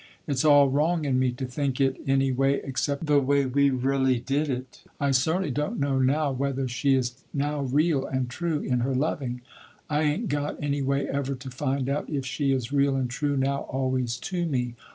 It's all wrong in me to think it any way except the way we really did it. I certainly don't know now whether she is now real and true in her loving. I ain't got any way ever to find out if she is real and true now always to me.